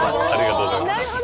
ありがとうございます。